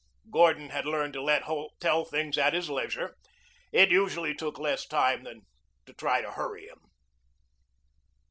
Gordon had learned to let Holt tell things at his leisure. It usually took less time than to try to hurry him.